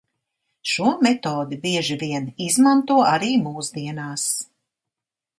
Šo metodi bieži vien izmanto arī mūsdienās.